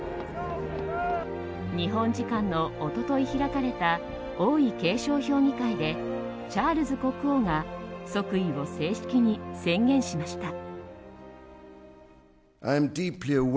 日本時間の一昨日開かれた王位継承評議会でチャールズ国王が即位を正式に宣言しました。